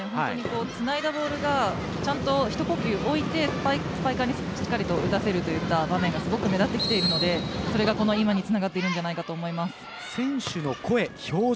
つないだボールがちゃんと一呼吸置いてスパイカーにしっかりと打たせるという場面がすごく目立っているので今につながってるんじゃないかと選手の声、表情